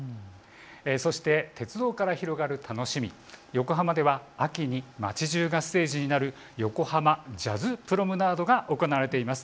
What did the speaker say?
そして鉄道から広がる楽しみ、横浜では秋に街じゅうがステージになる横濱ジャズプロムナードが行われています